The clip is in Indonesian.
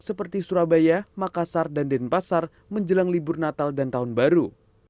seperti surabaya makassar dan denpasar menjelang libur natal dan tahun baru